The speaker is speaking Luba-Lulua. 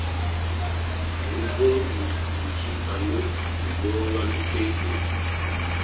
Luvumbi ludi anu lulonga lupepele.